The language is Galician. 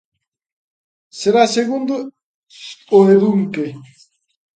Será segundo o eduquen.